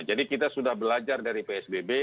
jadi kita sudah belajar dari psbb